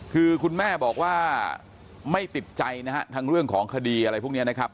คือคุณแม่บอกว่าไม่ติดใจนะฮะทั้งเรื่องของคดีอะไรพวกนี้นะครับ